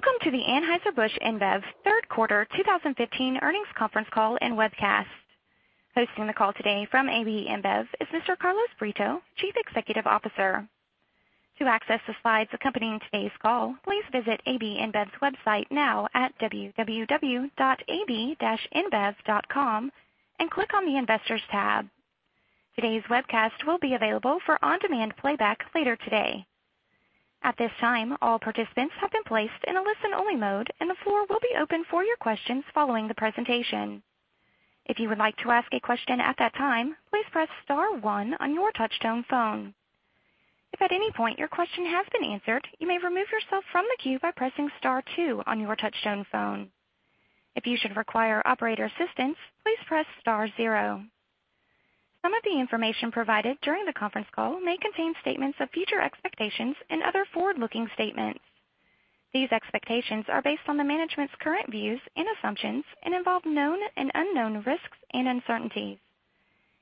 Welcome to the Anheuser-Busch InBev third quarter 2015 earnings conference call and webcast. Hosting the call today from AB InBev is Mr. Carlos Brito, Chief Executive Officer. To access the slides accompanying today's call, please visit AB InBev's website now at www.ab-inbev.com and click on the Investors tab. Today's webcast will be available for on-demand playback later today. At this time, all participants have been placed in a listen-only mode, and the floor will be open for your questions following the presentation. If you would like to ask a question at that time, please press *1 on your touchtone phone. If at any point your question has been answered, you may remove yourself from the queue by pressing *2 on your touchtone phone. If you should require operator assistance, please press *0. Some of the information provided during the conference call may contain statements of future expectations and other forward-looking statements. These expectations are based on the management's current views and assumptions and involve known and unknown risks and uncertainties.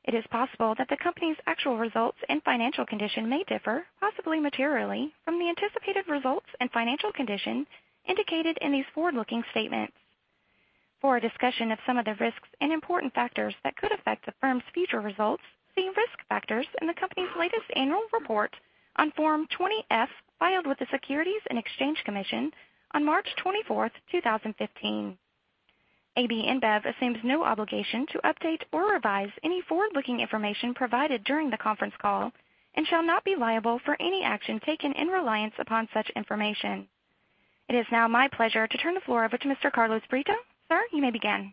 It is possible that the company's actual results and financial condition may differ, possibly materially, from the anticipated results and financial condition indicated in these forward-looking statements. For a discussion of some of the risks and important factors that could affect the firm's future results, see risk factors in the company's latest annual report on Form 20-F filed with the Securities and Exchange Commission on March 24th, 2015. AB InBev assumes no obligation to update or revise any forward-looking information provided during the conference call and shall not be liable for any action taken in reliance upon such information. It is now my pleasure to turn the floor over to Mr. Carlos Brito. Sir, you may begin.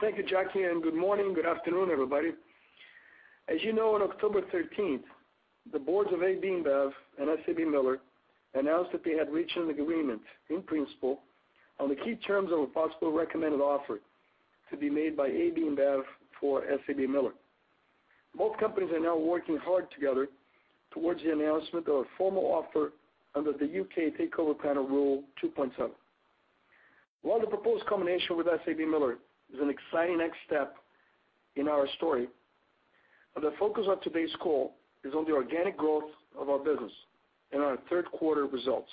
Thank you, Jackie. Good morning. Good afternoon, everybody. As you know, on October 13th, the boards of AB InBev and SABMiller announced that they had reached an agreement in principle on the key terms of a possible recommended offer to be made by AB InBev for SABMiller. Both companies are now working hard together towards the announcement of a formal offer under the UK Takeover Panel Rule 2.7. While the proposed combination with SABMiller is an exciting next step in our story, the focus of today's call is on the organic growth of our business and our third quarter results.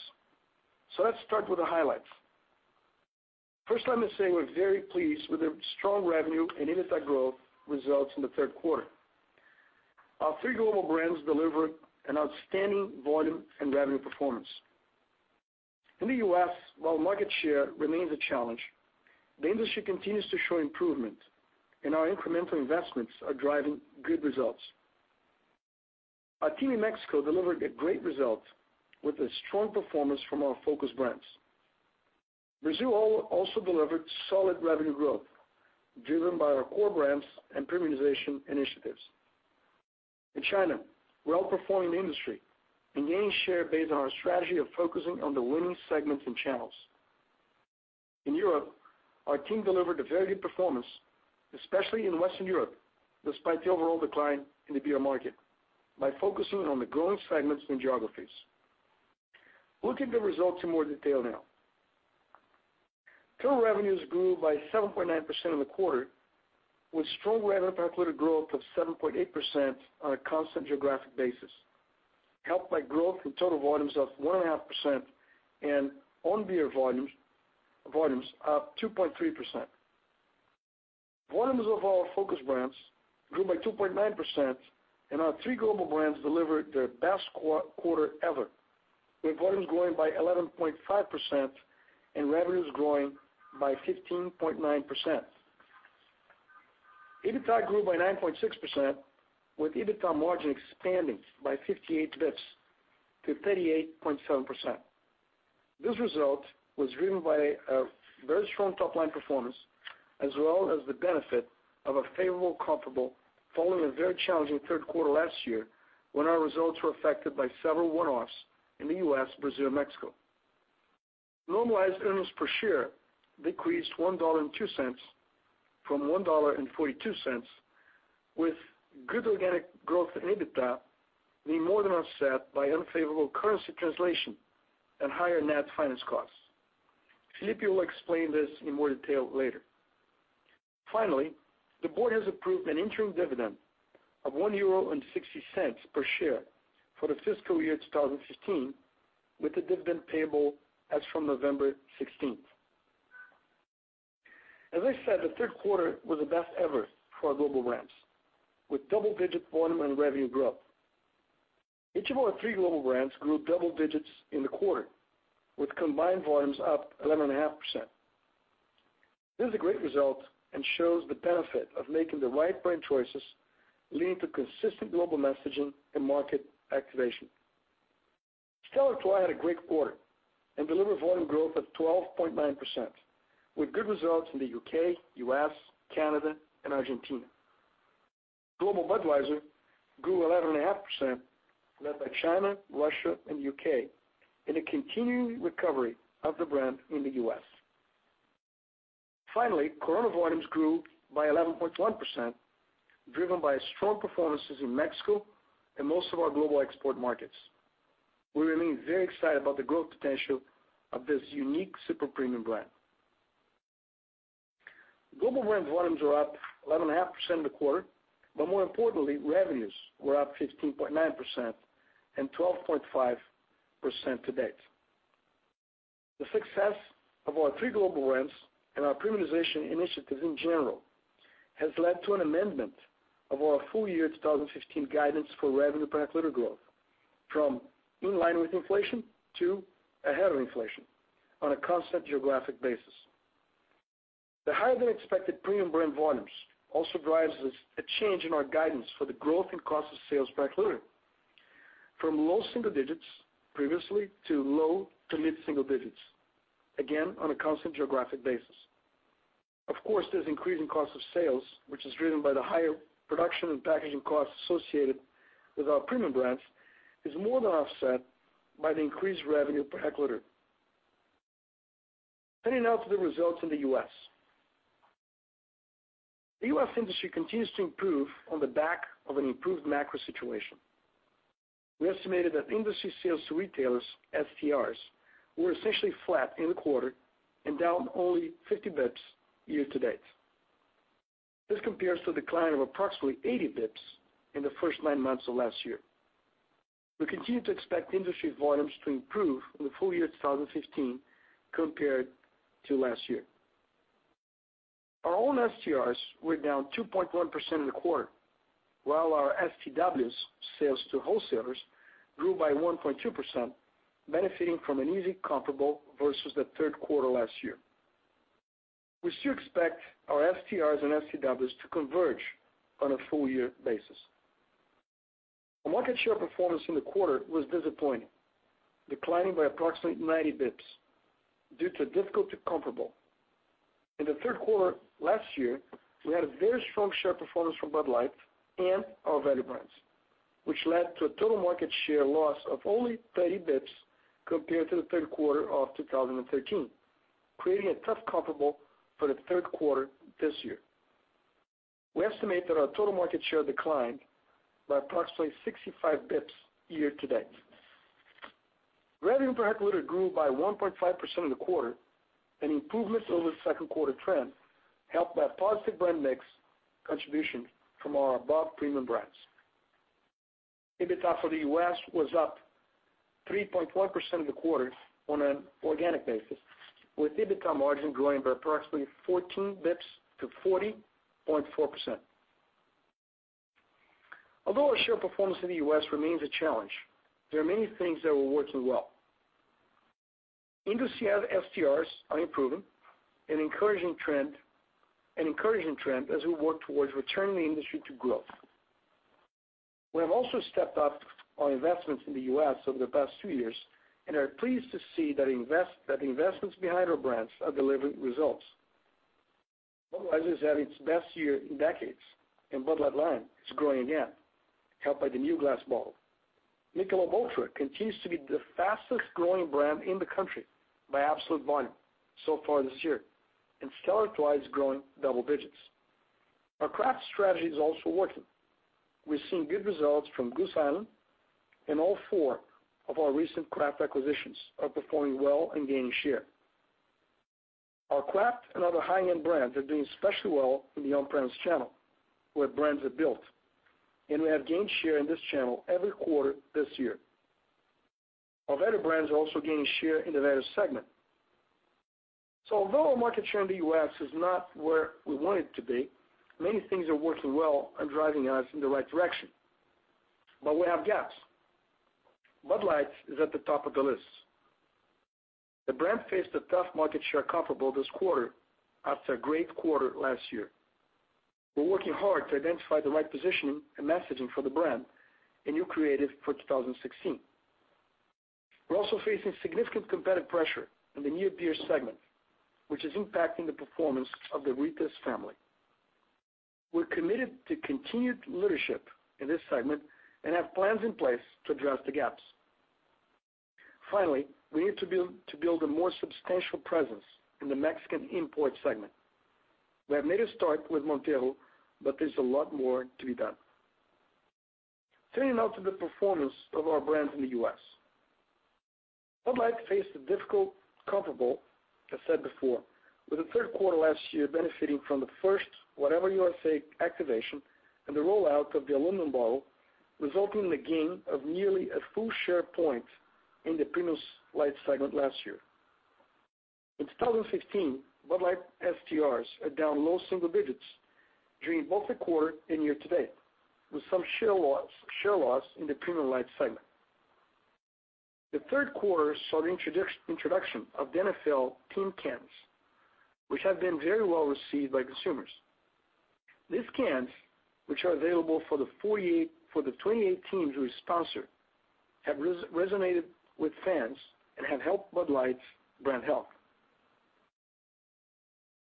Let's start with the highlights. First, let me say we're very pleased with the strong revenue and EBITDA growth results in the third quarter. Our three global brands delivered an outstanding volume and revenue performance. In the U.S., while market share remains a challenge, the industry continues to show improvement and our incremental investments are driving good results. Our team in Mexico delivered a great result with a strong performance from our focus brands. Brazil also delivered solid revenue growth driven by our core brands and premiumization initiatives. In China, we're outperforming the industry and gaining share based on our strategy of focusing on the winning segments and channels. In Europe, our team delivered a very good performance, especially in Western Europe, despite the overall decline in the beer market, by focusing on the growing segments and geographies. Look at the results in more detail now. Total revenues grew by 7.9% in the quarter, with strong revenue per capita growth of 7.8% on a constant geographic basis, helped by growth in total volumes of 1.5% and own beer volumes up 2.3%. Volumes of our focus brands grew by 2.9%. Our three global brands delivered their best quarter ever, with volumes growing by 11.5% and revenues growing by 15.9%. EBITDA grew by 9.6%, with EBITDA margin expanding by 58 basis points to 38.7%. This result was driven by a very strong top-line performance, as well as the benefit of a favorable comparable following a very challenging third quarter last year, when our results were affected by several one-offs in the U.S., Brazil, and Mexico. Normalized earnings per share decreased $1.02 from $1.42, with good organic growth in EBITDA being more than offset by unfavorable currency translation and higher net finance costs. Felipe will explain this in more detail later. The board has approved an interim dividend of €1.60 per share for the fiscal year 2015, with the dividend payable as from November 16th. As I said, the third quarter was the best ever for our global brands, with double-digit volume and revenue growth. Each of our three global brands grew double digits in the quarter, with combined volumes up 11.5%. This is a great result and shows the benefit of making the right brand choices, leading to consistent global messaging and market activation. Stella Artois had a great quarter and delivered volume growth of 12.9%, with good results in the U.K., U.S., Canada, and Argentina. Global Budweiser grew 11.5%, led by China, Russia, and U.K., in a continuing recovery of the brand in the U.S. Corona volumes grew by 11.1%, driven by strong performances in Mexico and most of our global export markets. We remain very excited about the growth potential of this unique super-premium brand. Global brand volumes are up 11.5% in the quarter. More importantly, revenues were up 15.9% and 12.5% to date. The success of our three global brands and our premiumization initiatives in general has led to an amendment of our full year 2015 guidance for revenue per hectoliter growth from in line with inflation to ahead of inflation on a constant geographic basis. The higher-than-expected premium brand volumes also drives a change in our guidance for the growth in cost of sales per hectoliter from low single digits previously to low to mid single digits, again, on a constant geographic basis. Of course, this increase in cost of sales, which is driven by the higher production and packaging costs associated with our premium brands, is more than offset by the increased revenue per hectoliter. Turning now to the results in the U.S. The U.S. industry continues to improve on the back of an improved macro situation. We estimated that industry sales to retailers, STRs, were essentially flat in the quarter and down only 50 basis points year to date. This compares to a decline of approximately 80 basis points in the first nine months of last year. We continue to expect industry volumes to improve in the full year 2015 compared to last year. Our own STRs were down 2.1% in the quarter, while our STWs, sales to wholesalers, grew by 1.2%, benefiting from an easy comparable versus the third quarter last year. We still expect our STRs and STWs to converge on a full-year basis. Our market share performance in the quarter was disappointing, declining by approximately 90 basis points due to a difficult comparable. In the third quarter last year, we had a very strong share performance from Bud Light and our value brands, which led to a total market share loss of only 30 basis points compared to the third quarter of 2013, creating a tough comparable for the third quarter this year. We estimate that our total market share declined by approximately 65 basis points year to date. Revenue per hectoliter grew by 1.5% in the quarter, and improvements over the second quarter trend helped by positive brand mix contribution from our above-premium brands. EBITDA for the U.S. was up 3.1% in the quarter on an organic basis, with EBITDA margin growing by approximately 14 basis points to 40.4%. Although our share performance in the U.S. remains a challenge, there are many things that are working well. Industry STRs are improving. An encouraging trend as we work towards returning the industry to growth. We have also stepped up our investments in the U.S. over the past two years and are pleased to see that the investments behind our brands are delivering results. Budweiser is at its best year in decades, and Bud Light Lime is growing again, helped by the new glass bottle. Michelob ULTRA continues to be the fastest-growing brand in the country by absolute volume so far this year, and Stella Artois is growing double digits. Our craft strategy is also working. We're seeing good results from Goose Island, and all four of our recent craft acquisitions are performing well and gaining share. Our craft and other high-end brands are doing especially well in the on-premise channel, where brands are built, and we have gained share in this channel every quarter this year. Our value brands are also gaining share in the value segment. Although our market share in the U.S. is not where we want it to be, many things are working well and driving us in the right direction. We have gaps. Bud Light is at the top of the list. The brand faced a tough market share comparable this quarter after a great quarter last year. We're working hard to identify the right positioning and messaging for the brand and new creative for 2016. We're also facing significant competitive pressure in the near beer segment, which is impacting the performance of the Ritas family. We're committed to continued leadership in this segment and have plans in place to address the gaps. Finally, we need to build a more substantial presence in the Mexican import segment. We have made a start with Modelo, but there's a lot more to be done. Turning now to the performance of our brands in the U.S. Bud Light faced a difficult comparable, as said before, with the third quarter last year benefiting from the first Whatever, USA activation and the rollout of the aluminum bottle, resulting in a gain of nearly a full share point in the premium light segment last year. In 2015, Bud Light STRs are down low single digits during both the quarter and year-to-date, with some share loss in the premium light segment. The third quarter saw the introduction of the NFL team cans, which have been very well received by consumers. These cans, which are available for the 28 teams we sponsor, have resonated with fans and have helped Bud Light's brand health.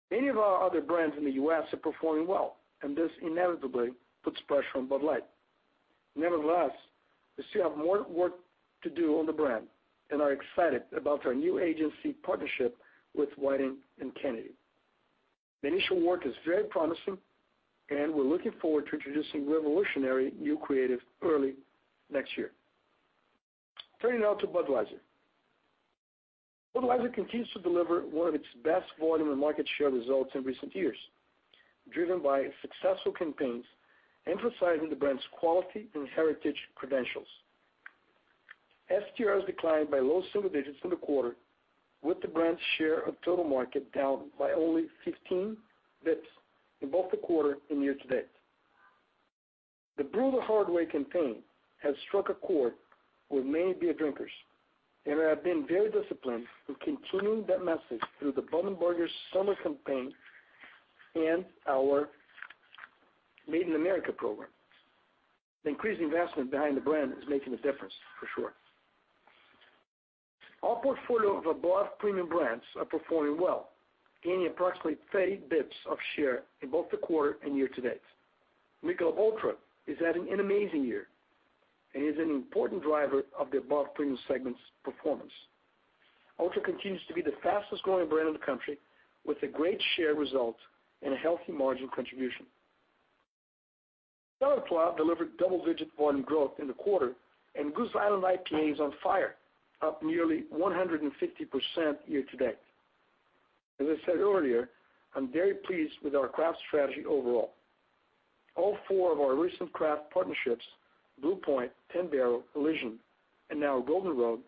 Many of our other brands in the U.S. are performing well, and this inevitably puts pressure on Bud Light. We still have more work to do on the brand and are excited about our new agency partnership with Wieden+Kennedy. The initial work is very promising, and we're looking forward to introducing revolutionary new creative early next year. Turning now to Budweiser. Budweiser continues to deliver one of its best volume and market share results in recent years, driven by successful campaigns emphasizing the brand's quality and heritage credentials. STRs declined by low single digits in the quarter, with the brand's share of total market down by only 15 basis points in both the quarter and year-to-date. The Brew the Hard Way campaign has struck a chord with many beer drinkers, and we have been very disciplined in continuing that message through the Bud and Burgers summer campaign and our Made in America program. The increased investment behind the brand is making a difference for sure. Our portfolio of above premium brands are performing well, gaining approximately 30 basis points of share in both the quarter and year-to-date. Michelob ULTRA is having an amazing year and is an important driver of the above premium segment's performance. ULTRA continues to be the fastest-growing brand in the country, with a great share result and a healthy margin contribution. Bell's Craft delivered double-digit volume growth in the quarter, and Goose Island IPA is on fire, up nearly 150% year-to-date. As I said earlier, I'm very pleased with our craft strategy overall. All four of our recent craft partnerships, Blue Point, 10 Barrel, Elysian, and now Golden Road,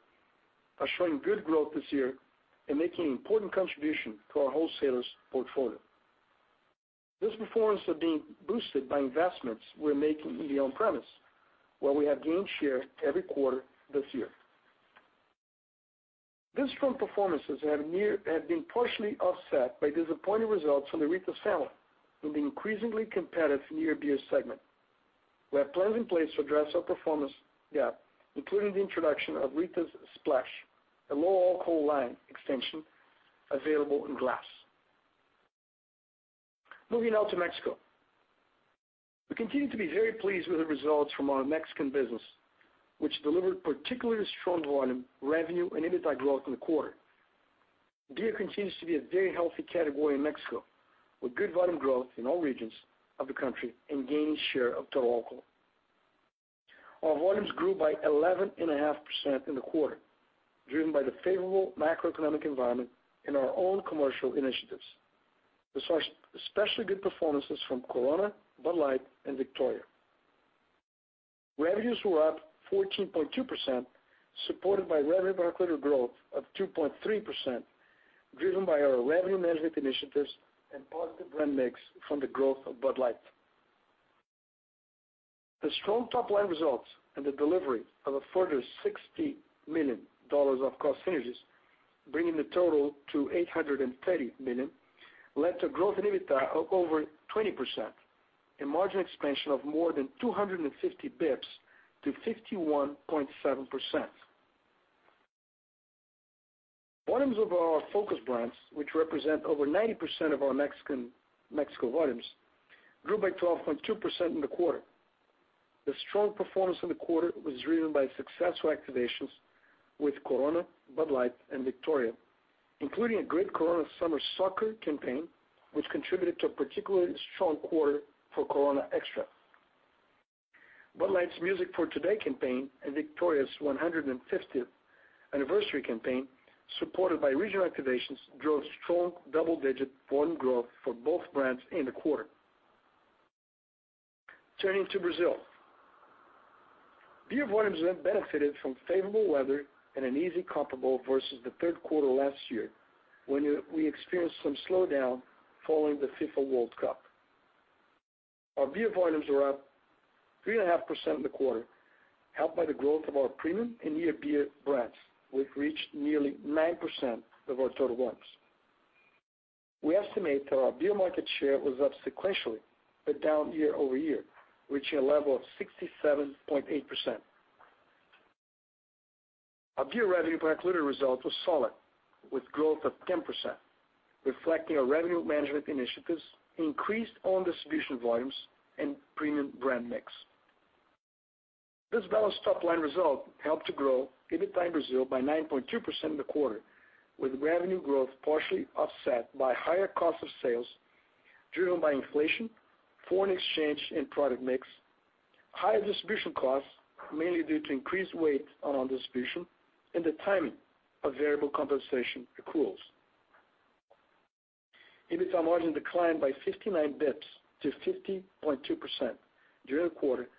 are showing good growth this year and making an important contribution to our wholesalers' portfolio. These performances are being boosted by investments we're making in the on-premise, where we have gained share every quarter this year. These strong performances have been partially offset by disappointing results from the Ritas in the increasingly competitive near beer segment. We have plans in place to address our performance gap, including the introduction of Ritas Splash, a low-alcohol line extension available in glass. Moving now to Mexico. We continue to be very pleased with the results from our Mexican business, which delivered particularly strong volume, revenue, and EBITDA growth in the quarter. Beer continues to be a very healthy category in Mexico, with good volume growth in all regions of the country and gaining share of total alcohol. Our volumes grew by 11.5% in the quarter, driven by the favorable macroeconomic environment and our own commercial initiatives. We saw especially good performances from Corona, Bud Light, and Victoria. Revenues were up 14.2%, supported by revenue per hectoliter growth of 2.3%, driven by our revenue management initiatives and positive brand mix from the growth of Bud Light. The strong top-line results and the delivery of a further $60 million of cost synergies, bringing the total to $830 million, led to growth in EBITDA of over 20% and margin expansion of more than 250 basis points to 51.7%. Volumes of our focus brands, which represent over 90% of our Mexico volumes, grew by 12.2% in the quarter. The strong performance in the quarter was driven by successful activations with Corona, Bud Light, and Victoria, including a great Corona summer soccer campaign, which contributed to a particularly strong quarter for Corona Extra. Bud Light's Music for Today campaign and Victoria's 150th anniversary campaign, supported by regional activations, drove strong double-digit volume growth for both brands in the quarter. Turning to Brazil. Beer volumes have benefited from favorable weather and an easy comparable versus the third quarter last year, when we experienced some slowdown following the FIFA World Cup. Our beer volumes were up 3.5% in the quarter, helped by the growth of our premium and near-beer brands, which reached nearly 9% of our total volumes. We estimate that our beer market share was up sequentially, but down year-over-year, reaching a level of 67.8%. Our beer revenue per hectoliter result was solid, with growth of 10%, reflecting our revenue management initiatives, increased own distribution volumes, and premium brand mix. This balanced top-line result helped to grow EBITDA in Brazil by 9.2% in the quarter, with revenue growth partially offset by higher cost of sales driven by inflation, foreign exchange, and product mix, higher distribution costs, mainly due to increased weight on own distribution, and the timing of variable compensation accruals. EBITDA margin declined by 59 basis points to 50.2% during the quarter,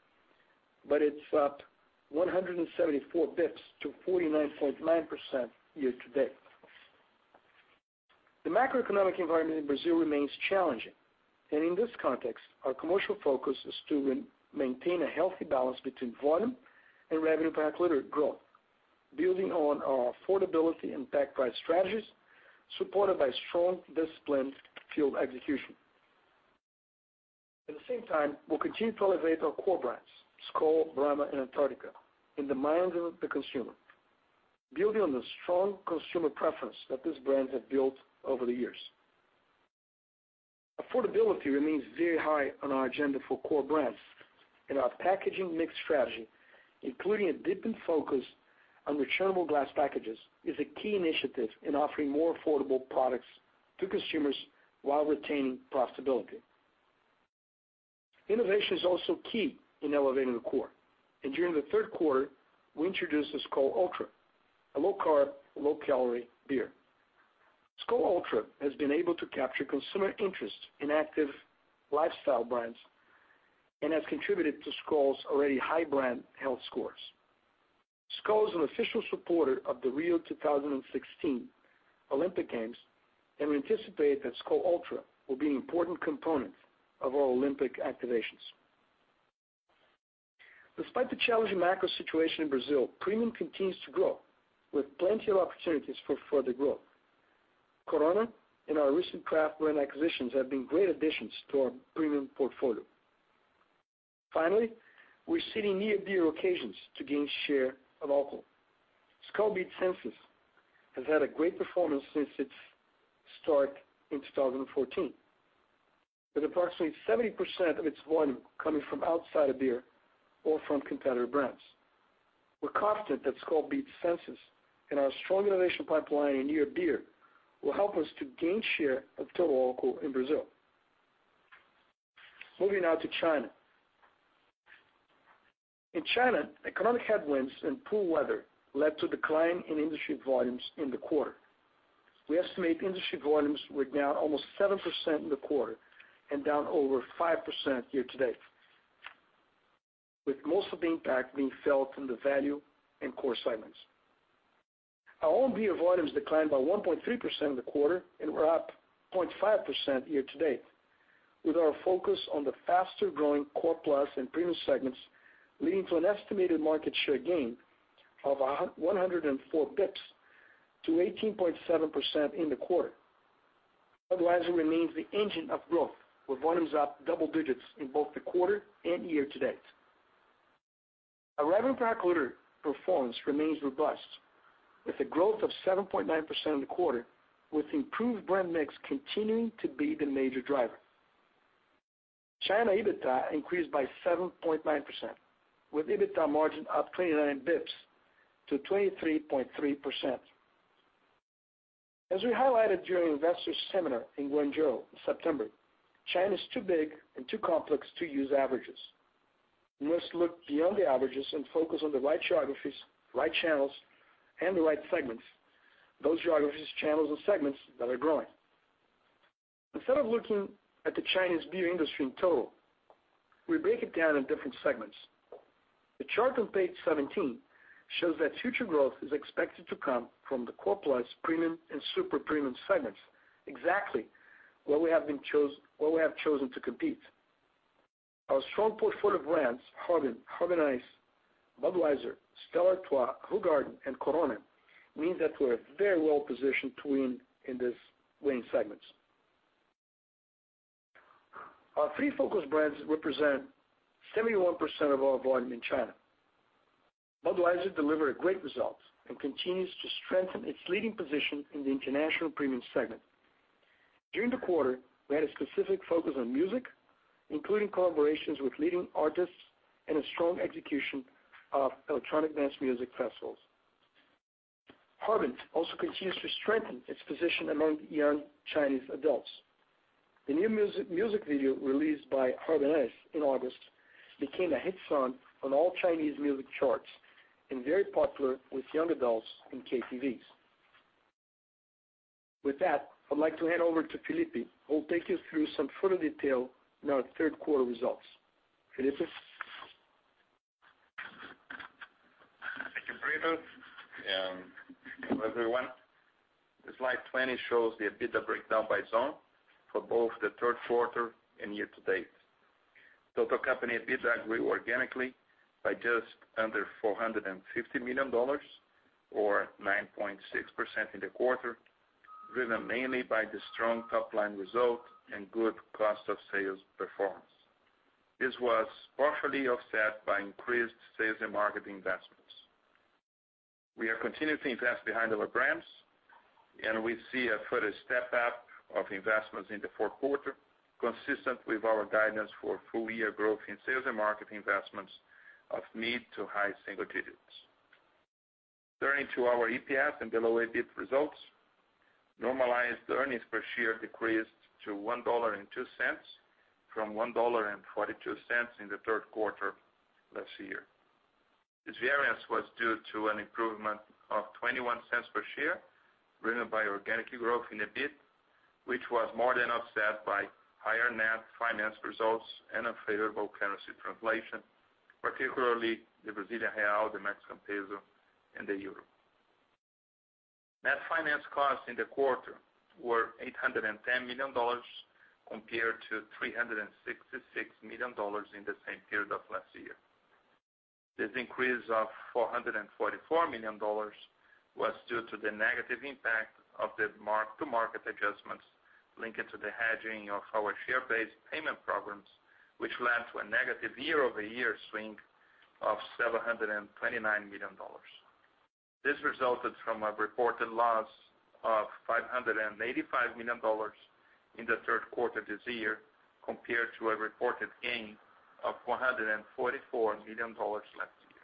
but it's up 174 basis points to 49.9% year-to-date. The macroeconomic environment in Brazil remains challenging. In this context, our commercial focus is to maintain a healthy balance between volume and revenue per hectoliter growth, building on our affordability and pack price strategies, supported by strong, disciplined field execution. At the same time, we'll continue to elevate our core brands, Skol, Brahma, and Antarctica, in the minds of the consumer, building on the strong consumer preference that these brands have built over the years. Affordability remains very high on our agenda for core brands. Our packaging mix strategy, including a deepened focus on returnable glass packages, is a key initiative in offering more affordable products to consumers while retaining profitability. Innovation is also key in elevating the core. During the third quarter, we introduced Skol Ultra, a low-carb, low-calorie beer. Skol Ultra has been able to capture consumer interest in active lifestyle brands and has contributed to Skol's already high brand health scores. Skol is an official supporter of the Rio 2016 Olympic Games. We anticipate that Skol Ultra will be an important component of our Olympic activations. Despite the challenging macro situation in Brazil, premium continues to grow, with plenty of opportunities for further growth. Corona and our recent craft brand acquisitions have been great additions to our premium portfolio. Finally, we're seeding near-beer occasions to gain share of alcohol. Skol Beats Senses has had a great performance since its start in 2014, with approximately 70% of its volume coming from outside of beer or from competitor brands. We're confident that Skol Beats Senses and our strong innovation pipeline in near beer will help us to gain share of total alcohol in Brazil. Moving now to China. In China, economic headwinds and poor weather led to a decline in industry volumes in the quarter. We estimate industry volumes were down almost 7% in the quarter and down over 5% year-to-date, with most of the impact being felt in the value and core segments. Our own beer volumes declined by 1.3% in the quarter and were up 0.5% year-to-date, with our focus on the faster-growing core plus and premium segments, leading to an estimated market share gain of 104 basis points to 18.7% in the quarter. Budweiser remains the engine of growth, with volumes up double digits in both the quarter and year-to-date. Our ready-to-drink performer remains robust, with a growth of 7.9% in the quarter, with improved brand mix continuing to be the major driver. China EBITDA increased by 7.9%, with EBITDA margin up 29 basis points to 23.3%. As we highlighted during Investor Seminar in Guangzhou in September, China's too big and too complex to use averages. We must look beyond the averages and focus on the right geographies, right channels, and the right segments. Those geographies, channels, and segments that are growing. Instead of looking at the Chinese beer industry in total, we break it down in different segments. The chart on page 17 shows that future growth is expected to come from the core plus premium and super premium segments, exactly where we have chosen to compete. Our strong portfolio brands, Harbin Ice, Budweiser, Stella Artois, Hoegaarden, and Corona, means that we're very well-positioned to win in these winning segments. Our three focus brands represent 71% of our volume in China. Budweiser delivered a great result and continues to strengthen its leading position in the international premium segment. During the quarter, we had a specific focus on music, including collaborations with leading artists and a strong execution of electronic dance music festivals. Harbin also continues to strengthen its position among young Chinese adults. The new music video released by Harbin Ice in August became a hit song on all Chinese music charts and very popular with young adults in KTVs. With that, I'd like to hand over to Felipe, who will take you through some further detail in our third quarter results. Felipe? Thank you, Carlos, and hello, everyone. The slide 20 shows the EBITDA breakdown by zone for both the third quarter and year-to-date. Total company EBITDA grew organically by just under $450 million or 9.6% in the quarter, driven mainly by the strong top-line result and good cost of sales performance. This was partially offset by increased sales and marketing investments. We are continuing to invest behind our brands, and we see a further step-up of investments in the fourth quarter, consistent with our guidance for full-year growth in sales and marketing investments of mid to high single digits. Turning to our EPS and below EBITDA results. Normalized earnings per share decreased to $1.02 from $1.42 in the third quarter last year. This variance was due to an improvement of $0.21 per share driven by organic growth in EBIT, which was more than offset by higher net finance results and unfavorable currency translation, particularly the Brazilian real, the Mexican peso, and the euro. Net finance costs in the quarter were $810 million compared to $366 million in the same period of last year. This increase of $444 million was due to the negative impact of the mark-to-market adjustments linked to the hedging of our share-based payment programs, which led to a negative year-over-year swing of $729 million. This resulted from a reported loss of $585 million in the third quarter this year, compared to a reported gain of $444 million last year.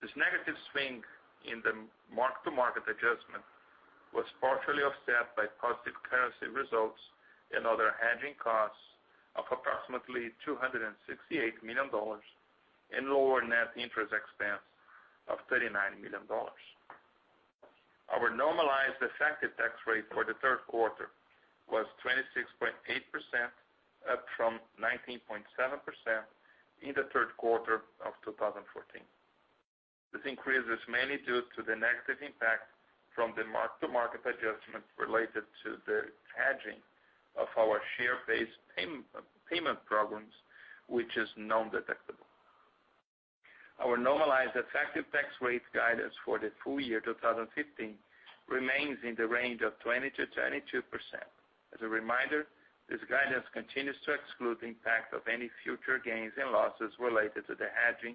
This negative swing in the mark-to-market adjustment was partially offset by positive currency results and other hedging costs of approximately $268 million and lower net interest expense of $39 million. Our normalized effective tax rate for the third quarter was 26.8%, up from 19.7% in the third quarter of 2014. This increase is mainly due to the negative impact from the mark-to-market adjustments related to the hedging of our share-based payment programs, which is non-detectable. Our normalized effective tax rate guidance for the full year 2015 remains in the range of 20%-22%. As a reminder, this guidance continues to exclude the impact of any future gains and losses related to the hedging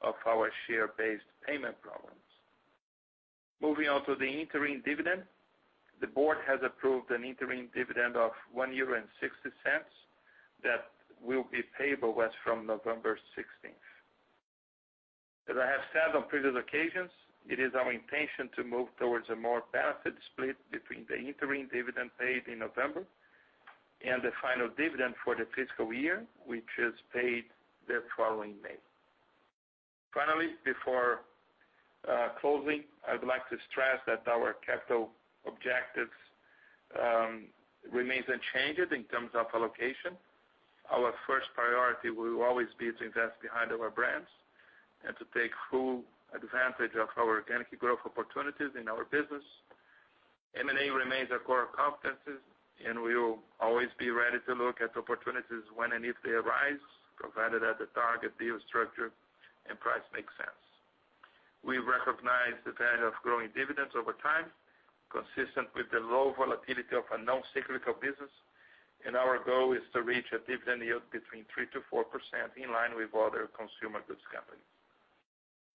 of our share-based payment programs. Moving on to the interim dividend. The board has approved an interim dividend of 1.60 euro that will be payable as from November 16th. As I have said on previous occasions, it is our intention to move towards a more balanced split between the interim dividend paid in November and the final dividend for the fiscal year, which is paid the following May. Finally, before closing, I would like to stress that our capital objectives remains unchanged in terms of allocation. Our first priority will always be to invest behind our brands and to take full advantage of our organic growth opportunities in our business. M&A remains our core competencies, and we will always be ready to look at opportunities when and if they arise, provided that the target deal structure and price makes sense. We recognize the value of growing dividends over time, consistent with the low volatility of a non-cyclical business, and our goal is to reach a dividend yield between 3%-4% in line with other consumer goods companies.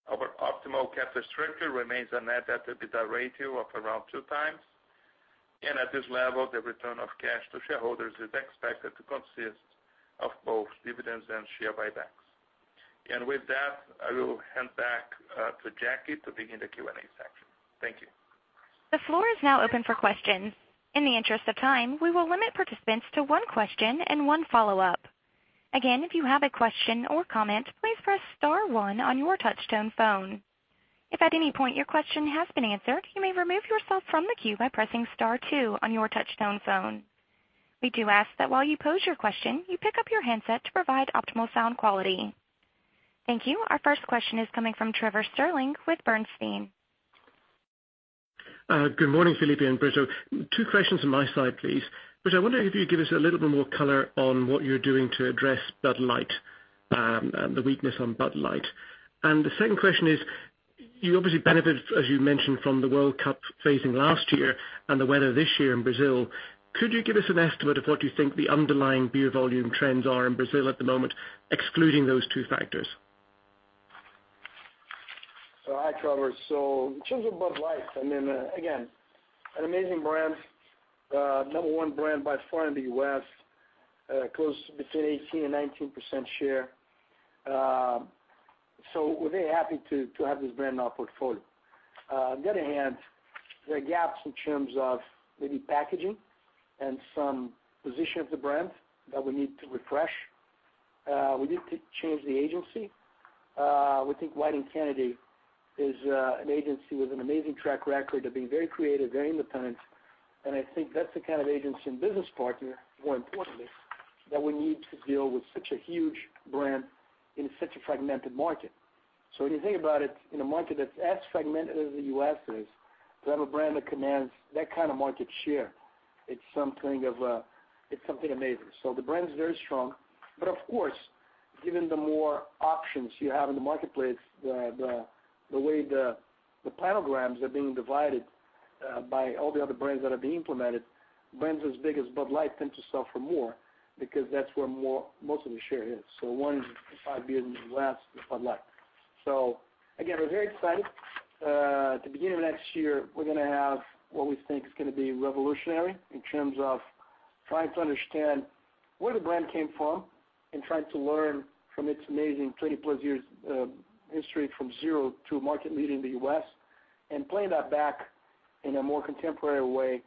Our optimal capital structure remains a net debt-to-EBITDA ratio of around two times. With that, I will hand back to Jackie to begin the Q&A section. Thank you. The floor is now open for questions. In the interest of time, we will limit participants to one question and one follow-up. Again, if you have a question or comment, please press star one on your touch-tone phone. If at any point your question has been answered, you may remove yourself from the queue by pressing star two on your touch-tone phone. We do ask that while you pose your question, you pick up your handset to provide optimal sound quality. Thank you. Our first question is coming from Trevor Stirling with Bernstein. Good morning, Felipe and Brito. Two questions on my side, please. Brito, I wonder if you could give us a little bit more color on what you're doing to address Bud Light and the weakness on Bud Light. The second question is, you obviously benefit, as you mentioned, from the World Cup phasing last year and the weather this year in Brazil. Could you give us an estimate of what you think the underlying beer volume trends are in Brazil at the moment, excluding those two factors? Hi, Trevor. In terms of Bud Light, again, an amazing brand, number one brand by far in the U.S., close to between 18%-19% share. We're very happy to have this brand in our portfolio. On the other hand, there are gaps in terms of maybe packaging and some position of the brand that we need to refresh. We need to change the agency. We think Wieden+Kennedy is an agency with an amazing track record of being very creative, very independent. I think that's the kind of agency and business partner, more importantly, that we need to deal with such a huge brand in such a fragmented market. When you think about it, in a market that's as fragmented as the U.S. is, to have a brand that commands that kind of market share, it's something amazing. The brand is very strong. But of course, given the more options you have in the marketplace, the way the pie diagrams are being divided by all the other brands that are being implemented, brands as big as Bud Light tend to suffer more because that's where most of the share is. One in five beers in the U.S. is Bud Light. Again, we're very excited. At the beginning of next year, we're going to have what we think is going to be revolutionary in terms of trying to understand where the brand came from and trying to learn from its amazing 20-plus years history from zero to market-leading in the U.S. and playing that back in a more contemporary way,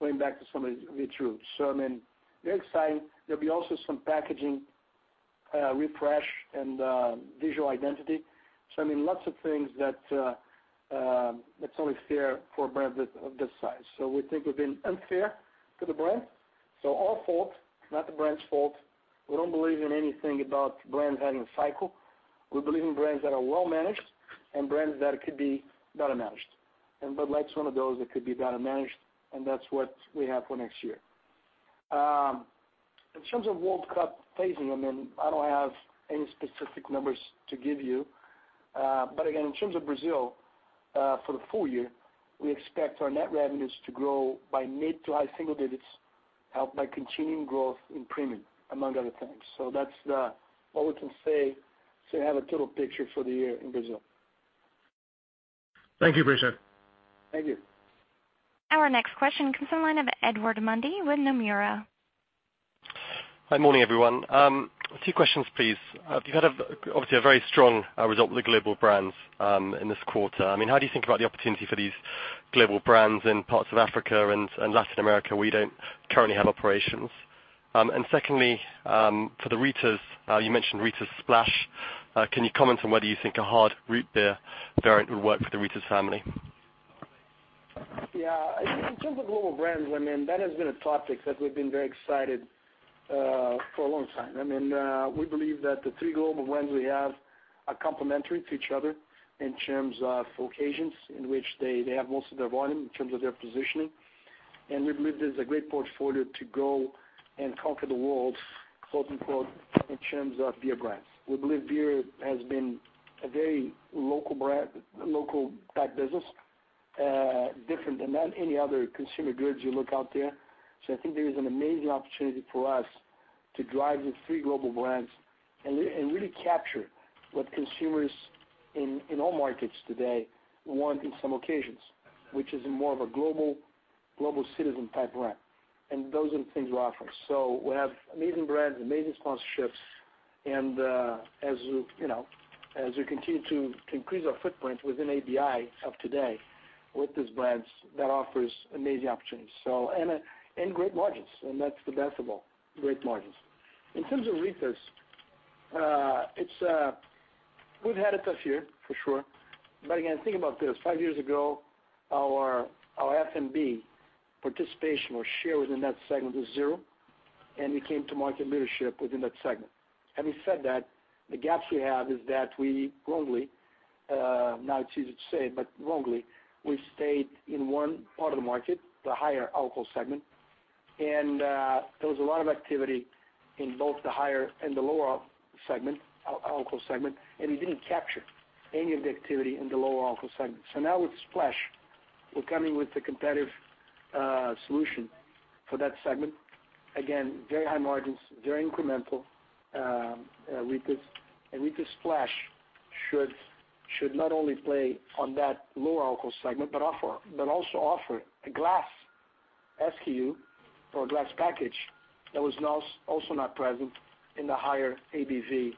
going back to some of its roots. Very exciting. There'll be also some packaging refresh and visual identity. Lots of things that's only fair for a brand of this size. We think we've been unfair to the brand. Our fault, not the brand's fault. We don't believe in anything about brands having a cycle. We believe in brands that are well-managed and brands that could be better managed. Bud Light's one of those that could be better managed, and that's what we have for next year. In terms of World Cup phasing, I don't have any specific numbers to give you. Again, in terms of Brazil, for the full year, we expect our net revenues to grow by mid to high single digits, helped by continuing growth in premium, among other things. That's all we can say to have a total picture for the year in Brazil. Thank you, Brito. Thank you. Our next question comes from the line of Edward Mundy with Nomura. Hi. Morning, everyone. Two questions, please. You've had, obviously, a very strong result with the global brands in this quarter. How do you think about the opportunity for these global brands in parts of Africa and Latin America where you don't currently have operations? Secondly, for the Ritas, you mentioned Ritas Splash. Can you comment on whether you think a hard root beer variant would work for the Ritas family? In terms of global brands, that has been a topic that we've been very excited for a long time. We believe that the three global brands we have are complementary to each other in terms of occasions in which they have most of their volume, in terms of their positioning. We believe there's a great portfolio to go and conquer the world, quote-unquote, in terms of beer brands. We believe beer has been a very local packed business, different than any other consumer goods you look out there. I think there is an amazing opportunity for us to drive these three global brands and really capture what consumers in all markets today want in some occasions, which is more of a global citizen type brand. Those are the things we offer. We have amazing brands, amazing sponsorships, and as we continue to increase our footprint within ABI of today with these brands, that offers amazing opportunities. Great margins, and that's the best of all, great margins. In terms of Ritas, we've had a tough year, for sure. Again, think about this, five years ago, our FMB participation or share within that segment was zero, and we came to market leadership within that segment. Having said that, the gaps we have is that we, wrongly, now it's easy to say, but wrongly, we've stayed in one part of the market, the higher alcohol segment. There was a lot of activity in both the higher and the lower alcohol segment, and we didn't capture any of the activity in the lower alcohol segment. Now with Splash, we're coming with a competitive solution for that segment. Again, very high margins, very incremental Ritas. Ritas Splash should not only play on that lower alcohol segment, but also offer a glass SKU or a glass package that was also not present in the higher ABV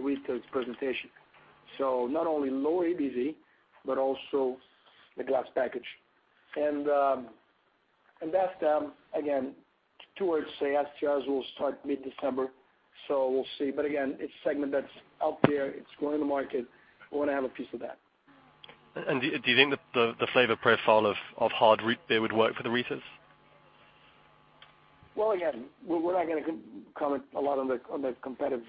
Ritas presentation. Not only lower ABV, but also the glass package. That's, again, towards say, STS will start mid-December, so we'll see. Again, it's a segment that's out there. It's growing the market. We want to have a piece of that. Do you think the flavor profile of hard root beer would work for the Ritas? Well, again, we're not going to comment a lot on the competitive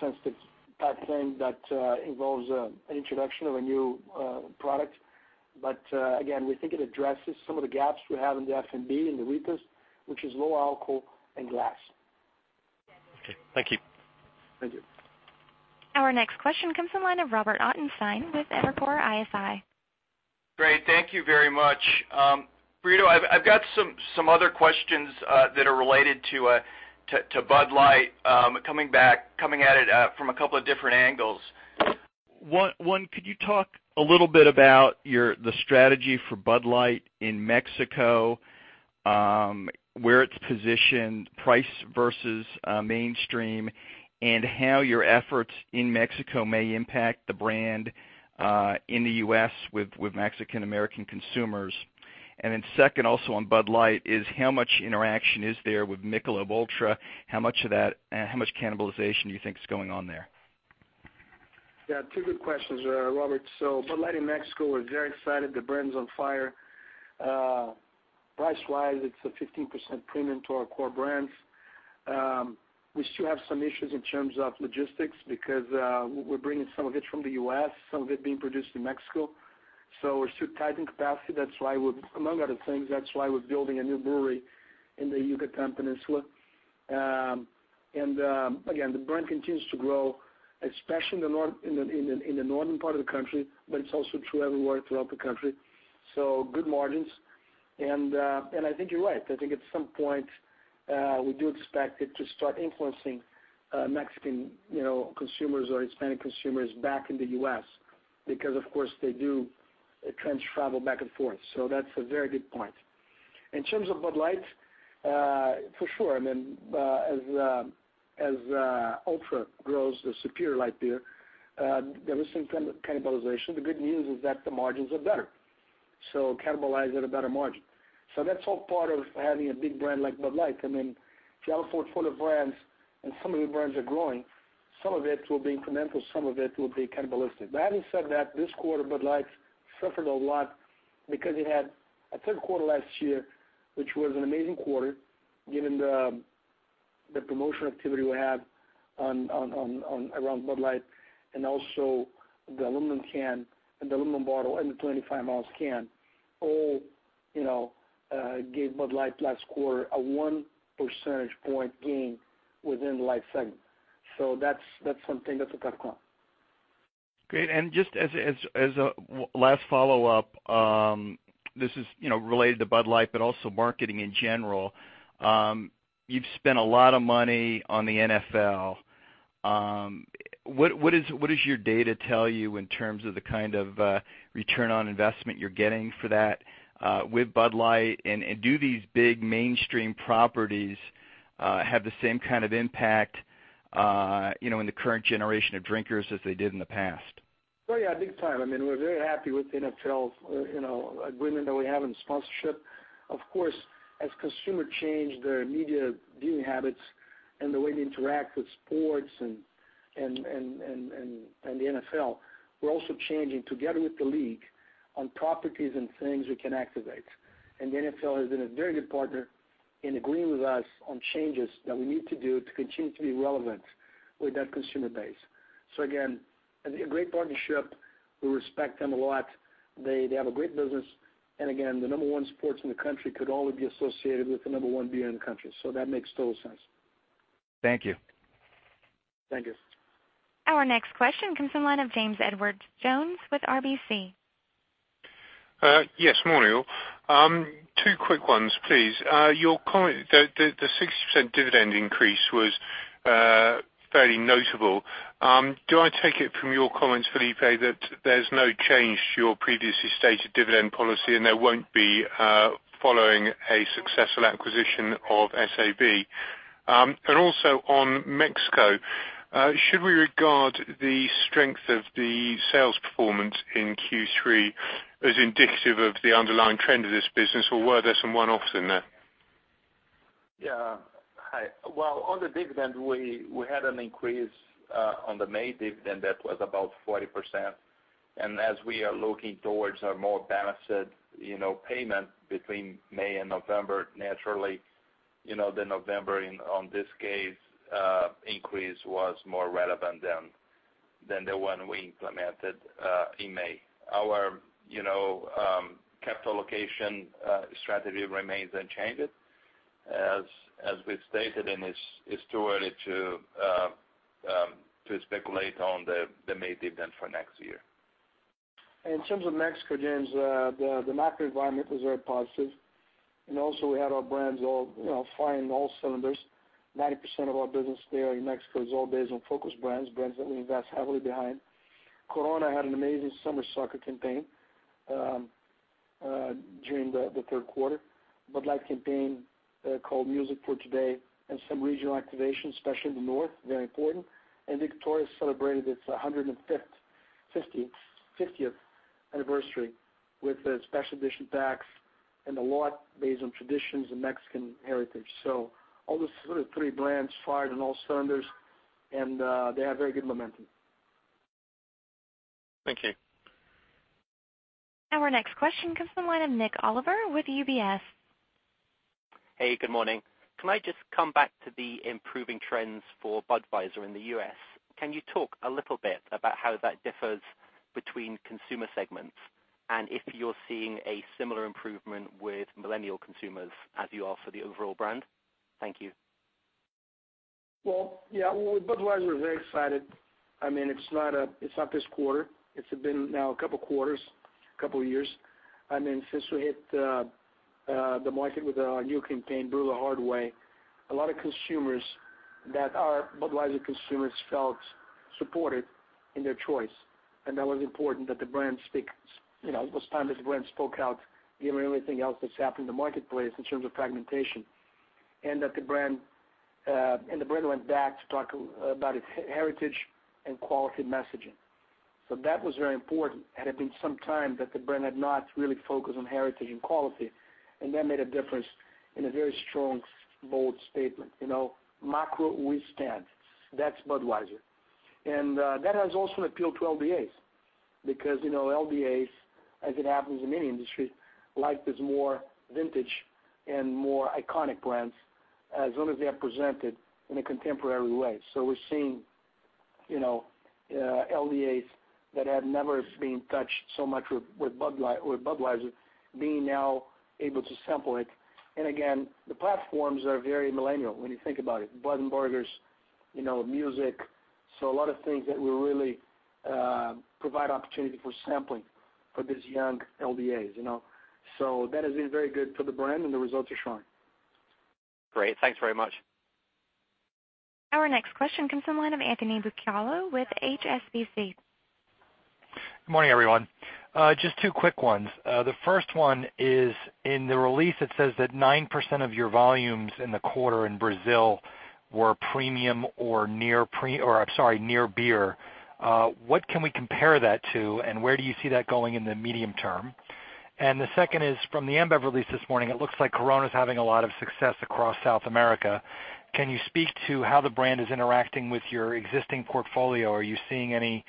sensitive type thing that involves an introduction of a new product. Again, we think it addresses some of the gaps we have in the FMB, in the Ritas, which is low alcohol and glass. Okay. Thank you. Thank you. Our next question comes from the line of Robert Ottenstein with Evercore ISI. Great. Thank you very much. Brito, I've got some other questions that are related to Bud Light, coming at it from a couple of different angles. One, could you talk a little bit about the strategy for Bud Light in Mexico, where it's positioned, price versus mainstream, and how your efforts in Mexico may impact the brand in the U.S. with Mexican American consumers? And then second, also on Bud Light, is how much interaction is there with Michelob ULTRA? How much cannibalization do you think is going on there? Yeah, two good questions there, Robert. Bud Light in Mexico, we're very excited. The brand's on fire. Price-wise, it's a 15% premium to our core brands. We still have some issues in terms of logistics because we're bringing some of it from the U.S., some of it being produced in Mexico. We're still tight in capacity. Among other things, that's why we're building a new brewery in the Yucatan Peninsula. Again, the brand continues to grow, especially in the northern part of the country, but it's also true everywhere throughout the country. Good margins. I think you're right. I think at some point, we do expect it to start influencing Mexican consumers or Hispanic consumers back in the U.S. because, of course, they do trench travel back and forth. That's a very good point. In terms of Bud Light, for sure, as ULTRA grows, the superior light beer, there is some cannibalization. The good news is that the margins are better, cannibalizing at a better margin. That's all part of having a big brand like Bud Light. If you have a full portfolio of brands and some of your brands are growing, some of it will be incremental, some of it will be cannibalistic. That being said, that this quarter, Bud Light suffered a lot because it had a third quarter last year, which was an amazing quarter, given the promotional activity we had around Bud Light and also the aluminum can and the aluminum bottle and the 25 oz. can, all gave Bud Light last quarter a one percentage point gain within the light segment. That's something that's a comp. Great. Just as a last follow-up, this is related to Bud Light, but also marketing in general. You've spent a lot of money on the NFL. What does your data tell you in terms of the kind of return on investment you're getting for that with Bud Light? Do these big mainstream properties have the same kind of impact in the current generation of drinkers as they did in the past? Oh, yeah. Big time. We're very happy with the agreement that we have in sponsorship. Of course, as consumer change their media viewing habits and the way they interact with sports and the NFL, we're also changing together with the league on properties and things we can activate. The NFL has been a very good partner in agreeing with us on changes that we need to do to continue to be relevant with that consumer base. Again, a great partnership. We respect them a lot. They have a great business. Again, the number one sports in the country could only be associated with the number one beer in the country. That makes total sense. Thank you. Thank you. Our next question comes from the line of James Edwardes Jones with RBC. Yes, morning all. Two quick ones, please. The 60% dividend increase was fairly notable. Do I take it from your comments, Felipe, that there's no change to your previously stated dividend policy, and there won't be following a successful acquisition of SAB? Also on Mexico, should we regard the strength of the sales performance in Q3 as indicative of the underlying trend of this business, or were there some one-offs in there? Yeah. Hi. Well, on the dividend, we had an increase on the May dividend that was about 40%. As we are looking towards a more balanced payment between May and November, naturally, the November, on this case, increase was more relevant than the one we implemented in May. Our capital allocation strategy remains unchanged as we've stated, it's too early to speculate on the May dividend for next year. In terms of Mexico, James, the macro environment was very positive. Also we had our brands all firing all cylinders. 90% of our business there in Mexico is all based on focus brands that we invest heavily behind. Corona had an amazing summer soccer campaign during the third quarter. Bud Light campaign called Music for Today and some regional activation, especially in the north, very important. Victoria celebrated its 150th anniversary with a special edition packs and a lot based on traditions and Mexican heritage. All the three brands fired on all cylinders, they have very good momentum. Thank you. Our next question comes from the line of Nik Oliver with UBS. Hey, good morning. Can I just come back to the improving trends for Budweiser in the U.S.? Can you talk a little bit about how that differs between consumer segments, and if you're seeing a similar improvement with millennial consumers as you are for the overall brand? Thank you. Well, yeah. With Budweiser, we're very excited. It's not this quarter. It's been now a couple of quarters, couple of years. Since we hit the market with our new campaign, Brew the Hard Way, a lot of consumers that are Budweiser consumers felt supported in their choice. That was important that it was time this brand spoke out, given everything else that's happened in the marketplace in terms of fragmentation. The brand went back to talk about its heritage and quality messaging. That was very important. Had it been some time that the brand had not really focused on heritage and quality, and that made a difference in a very strong, bold statement. Macro, we stand. That's Budweiser. That has also appealed to LDAs, because LDAs, as it happens in any industry, life is more vintage and more iconic brands as long as they are presented in a contemporary way. We're seeing LDAs that have never been touched so much with Budweiser being now able to sample it. Again, the platforms are very millennial when you think about it. Bud and Burgers, music. A lot of things that will really provide opportunity for sampling for these young LDAs. That has been very good for the brand, and the results are showing. Great. Thanks very much. Our next question comes from the line of Anthony Bucalo with HSBC. Good morning, everyone. Just two quick ones. The first one is, in the release, it says that 9% of your volumes in the quarter in Brazil were premium or near beer. What can we compare that to, and where do you see that going in the medium term? The second is from the Ambev release this morning. It looks like Corona's having a lot of success across South America. Can you speak to how the brand is interacting with your existing portfolio? Are you seeing any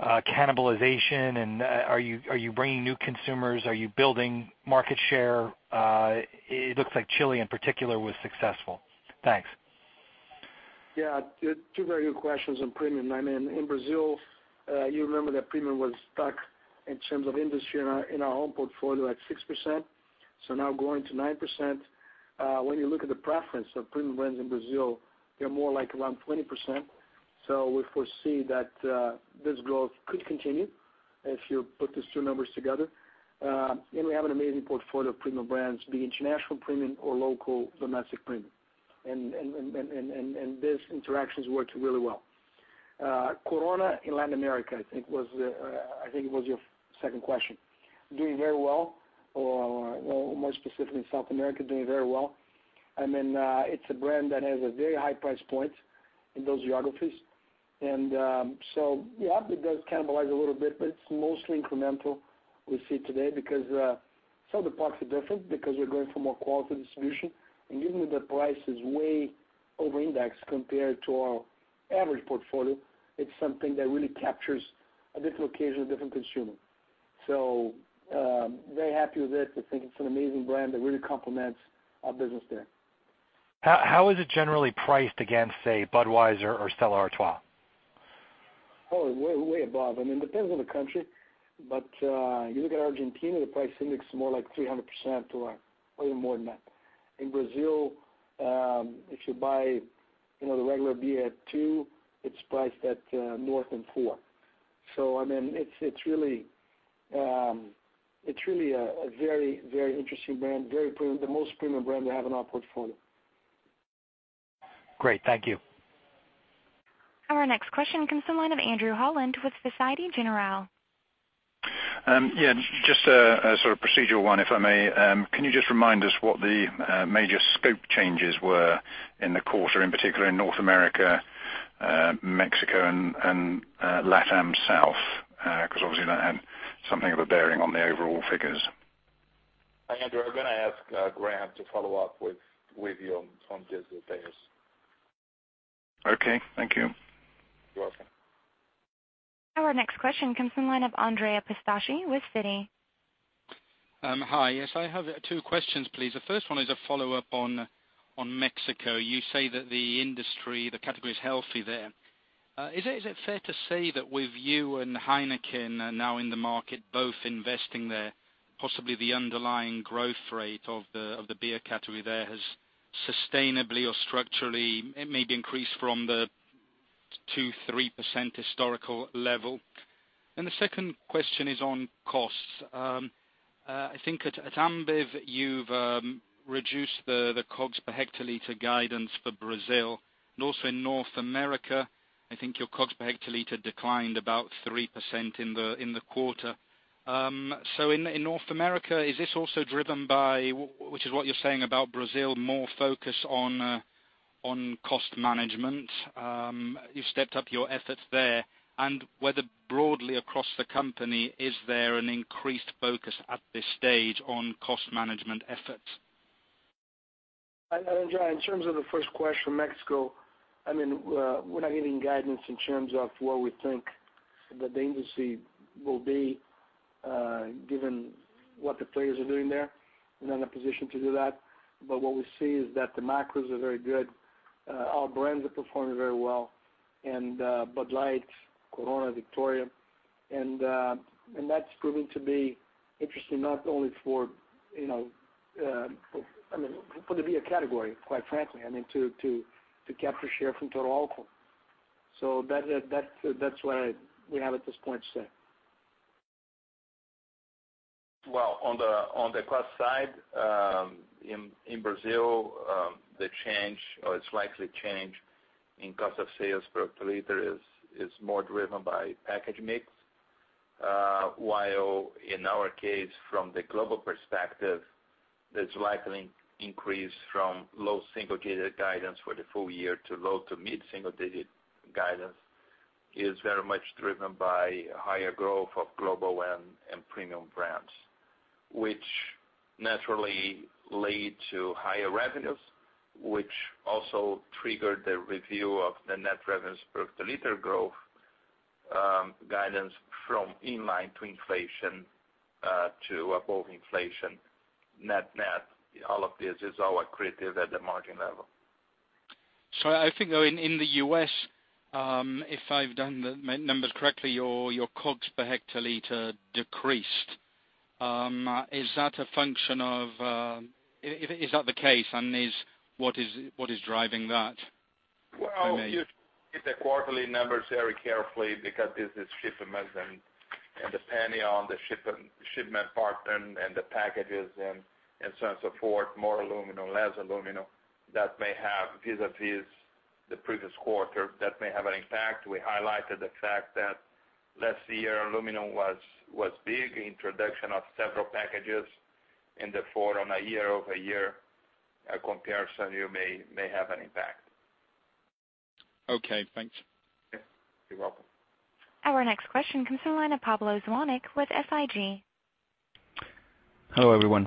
cannibalization, and are you bringing new consumers? Are you building market share? It looks like Chile in particular was successful. Thanks. Yeah. Two very good questions on premium. In Brazil, you remember that premium was stuck in terms of industry in our own portfolio at 6%. Now going to 9%. When you look at the preference of premium brands in Brazil, they're more like around 20%. We foresee that this growth could continue. If you put these two numbers together, we have an amazing portfolio of premium brands, be it international premium or local domestic premium. These interactions worked really well. Corona in Latin America, I think it was your second question. Doing very well, or more specifically in South America, doing very well. It's a brand that has a very high price point in those geographies. Yeah, it does cannibalize a little bit, but it's mostly incremental we see today because some deposits are different because we're going for more quality distribution. Even if the price is way over index compared to our average portfolio, it's something that really captures a different occasion, a different consumer. Very happy with this. I think it's an amazing brand that really complements our business there. How is it generally priced against, say, Budweiser or Stella Artois? Oh, way above. It depends on the country, but you look at Argentina, the price index is more like 300% or even more than that. In Brazil, if you buy the regular beer at USD two, it's priced at more than USD four. It's really a very interesting brand. The most premium brand we have in our portfolio. Great. Thank you. Our next question comes from the line of Andrew Holland with Société Générale. Yeah, just a sort of procedural one, if I may. Can you just remind us what the major scope changes were in the quarter, in particular in North America, Mexico, and LatAm South? Because obviously that had something of a bearing on the overall figures. Andrew, I'm going to ask Graham to follow up with you on these updates. Okay. Thank you. You're welcome. Our next question comes from the line of Andrea Pistacchi with Citi. Hi. Yes, I have two questions, please. The first one is a follow-up on Mexico. You say that the industry, the category is healthy there. Is it fair to say that with you and Heineken now in the market both investing there, possibly the underlying growth rate of the beer category there has sustainably or structurally maybe increased from the 2%, 3% historical level? The second question is on costs. I think at Ambev, you've reduced the COGS per hectoliter guidance for Brazil and also in North America. I think your COGS per hectoliter declined about 3% in the quarter. In North America, is this also driven by, which is what you're saying about Brazil, more focus on cost management? You've stepped up your efforts there, and whether broadly across the company, is there an increased focus at this stage on cost management efforts? Andrea, in terms of the first question, Mexico, we're not giving guidance in terms of where we think the industry will be given what the players are doing there. We're not in a position to do that. What we see is that the macros are very good. Our brands are performing very well, Bud Light, Corona, Victoria. That's proving to be interesting not only for the beer category, quite frankly, to capture share from total alcohol. That's what we have at this point to say. Well, on the cost side, in Brazil, the change or its likely change in cost of sales per liter is more driven by package mix. While in our case, from the global perspective, there's likely increase from low single-digit guidance for the full year to low to mid single-digit guidance is very much driven by higher growth of global and premium brands, which naturally lead to higher revenues, which also triggered the review of the net revenues per liter growth guidance from in line to inflation to above inflation net-net. All of this is accretive at the margin level. I think in the U.S., if I've done the numbers correctly, your COGS per hectoliter decreased. If that's the case, what is driving that? Well, you have to look at the quarterly numbers very carefully because this is shipments and depending on the shipment partner and the packages and so on, so forth, more aluminum, less aluminum. That may have vis-a-vis the previous quarter, that may have an impact. We highlighted the fact that last year aluminum was big. Introduction of several packages in the form a year-over-year comparison, you may have an impact. Okay, thanks. You're welcome. Our next question comes from the line of Pablo Zuanic with Liberum Capital. Hello, everyone.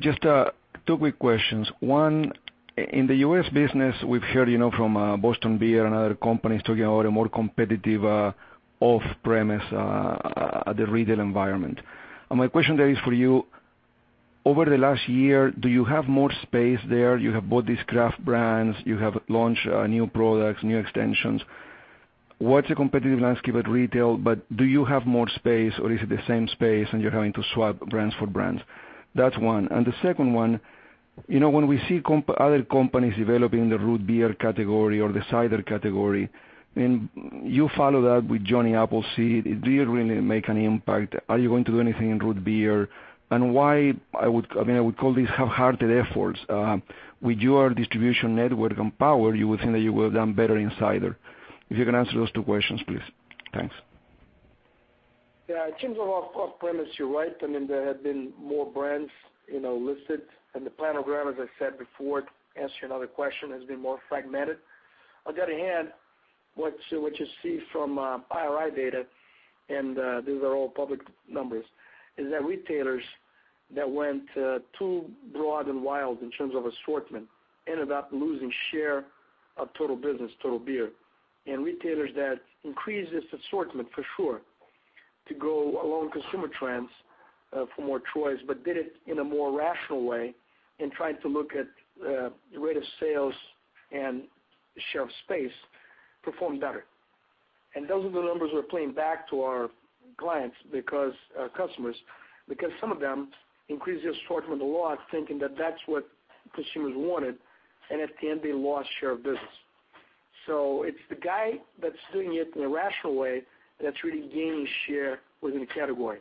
Just two quick questions. One, in the U.S. business, we've heard from Boston Beer and other companies talking about a more competitive off-premise at the retail environment. My question there is for you, over the last year, do you have more space there? You have bought these craft brands, you have launched new products, new extensions. What's the competitive landscape at retail? Do you have more space or is it the same space and you're having to swap brands for brands? That's one. The second one When we see other companies developing the root beer category or the cider category, and you follow that with Johnny Appleseed, did it really make an impact? Are you going to do anything in root beer? Why, I would call these half-hearted efforts. With your distribution network and power, you would think that you would have done better in cider. If you can answer those two questions, please. Thanks. Yeah. In terms of off-premise, you're right. There have been more brands listed, and the planogram, as I said before, answering another question, has been more fragmented. On the other hand, what you see from IRI data, and these are all public numbers, is that retailers that went too broad and wild in terms of assortment ended up losing share of total business, total beer. Retailers that increased this assortment, for sure, to go along consumer trends for more choice, but did it in a more rational way, and tried to look at the rate of sales and shelf space, performed better. Those are the numbers we're playing back to our clients because some of them increased the assortment a lot, thinking that that's what consumers wanted. At the end, they lost share of business. It's the guy that's doing it in a rational way that's really gaining share within a category.